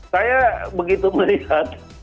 saya begitu melihat